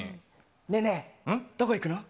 ねぇねぇ、どこ行くの？